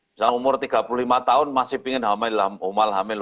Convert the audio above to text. misalnya umur tiga puluh lima tahun masih ingin hamil